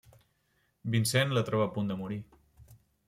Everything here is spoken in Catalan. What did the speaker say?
Vincent la troba a punt de morir.